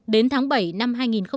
đến tháng bảy năm hai nghìn một mươi chín